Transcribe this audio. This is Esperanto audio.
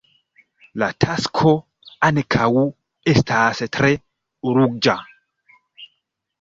La tasko ankaŭ estas tre urĝa.